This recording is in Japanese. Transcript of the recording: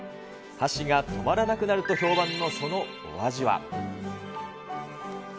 箸が止まらなくなると評判の、そのお味は。